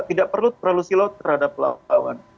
tidak perlu terlalu silau terhadap lawan lawan